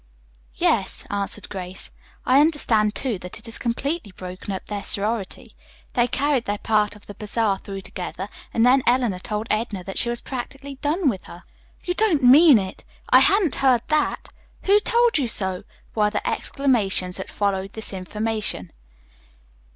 "Yes," answered Grace. "I understand, too, that it has completely broken up their sorority. They carried their part of the bazaar through together and then Eleanor told Edna that she was practically done with her." "You don't mean it! I hadn't heard that! Who told you so?" were the exclamations that followed this information.